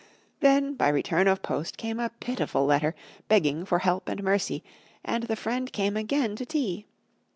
Then by return of post came a pitiful letter, begging for help and mercy, and the friend came again to tea.